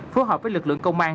phối hợp với lực lượng công an